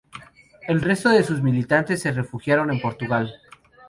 El resto de sus militantes se refugiaron en Portugal.